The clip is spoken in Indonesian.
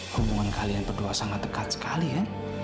hubungan kalian berdua sangat dekat sekali ya